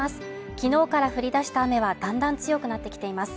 昨日から降り出した雨はだんだん強くなってきています。